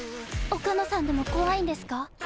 岡野さんでも怖いんですか？